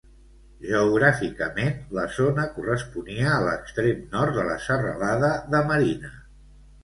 Geogràficament, la zona corresponia a l'extrem nord de la Serralada de Marina.